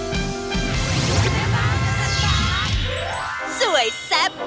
เปล่าโลกนี้เก่าเวียบ